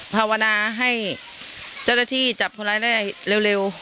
ภาวนาให้เจ้าหน้าที่จับคนร้ายได้เร็ว